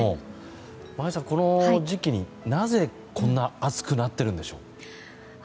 眞家さん、この時期になぜこんなに暑くなっているんでしょう？